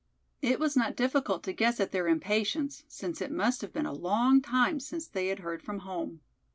It was not difficult to guess at their impatience, since it must have been a long time since they had heard from home.